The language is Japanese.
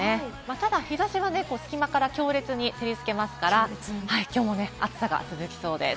ただ日差しはね、隙間から強烈に照りつけますから、きょうも暑さが続きそうです。